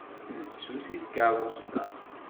Tennefsusi tkerrust-a.